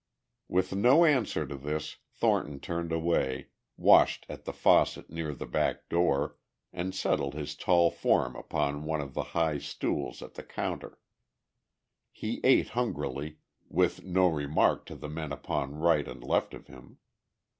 With no answer to this Thornton turned away, washed at the faucet near the back door, and settled his tall form upon one of the high stools at the counter. He ate hungrily, with no remark to the men upon right and left of him.